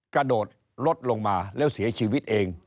กระโดดรถลงมาแล้วเสียชีวิตเอง